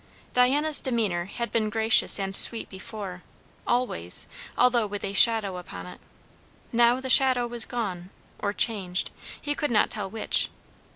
Diana's demeanour had been gracious and sweet before, always, although with a shadow upon it. Now the shadow was gone, or changed; he could not tell which.